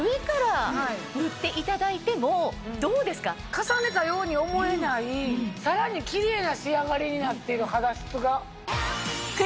重ねたように思えないさらにキレイな仕上がりになってる肌質が。